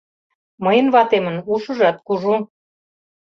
— Мыйын ватемын ушыжат кужу...